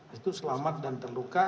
itu selamat dan terluka